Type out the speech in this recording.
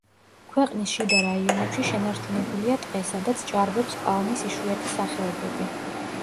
ქვეყნის შიდა რაიონებში შენარჩუნებულია ტყე, სადაც ჭარბობს პალმის იშვიათი სახეობები.